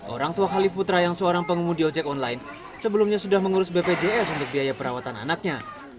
orang tua khalif putra yang seorang pengemudi ojek online sebelumnya sudah mengurus bpjs untuk biaya perawatan anaknya